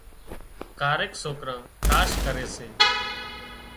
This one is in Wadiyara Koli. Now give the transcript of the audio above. ڪاريڪ سوڪران ڪاش ڪري سي